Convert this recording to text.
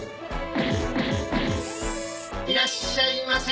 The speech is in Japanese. いらっしゃいませ。